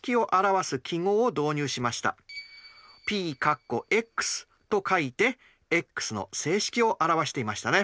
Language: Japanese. Ｐと書いてｘの整式をあらわしていましたね。